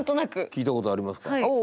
聞いたことありますか。